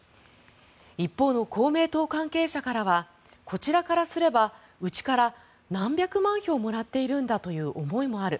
一方の公明党関係者からはこちらからすればうちから何百万票もらっているんだという思いもある